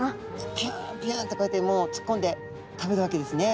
ピュンピュンってこうやってもうつっこんで食べるわけですね。